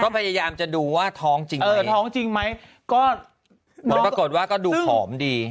พยายามจะดูว่าท้องจริงเออท้องจริงไหมก็ผลปรากฏว่าก็ดูผอมดี